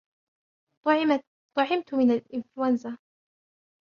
طُعِّمتُ من الإنفلونزا.